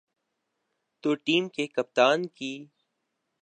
تو ٹیم کے کپتان کی۔